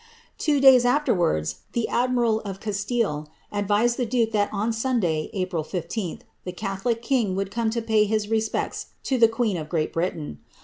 ^'' Two days afterwards, the admiral of Castile advised the dnke that a Sunday, April 15th, the catholic king would come to pay his re^MClilt the queen of Great Britain.